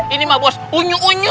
ini mah bos unyu unyu